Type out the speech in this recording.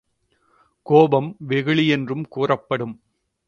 கோபம் வெகுளி என்றும் கூறப்படும்.